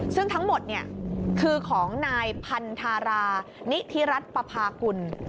ซึ่งทั้งหมดเนี่ยคือของนายพันธารานิธิรัตน์ปภาคุณ